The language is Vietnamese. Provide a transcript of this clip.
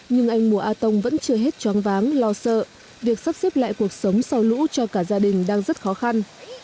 nhưng anh mùa a tông vẫn chưa hết choáng váng lo sợ việc sắp xếp lại cuộc sống sau lũ cho cả gia đình đang rất khó khăn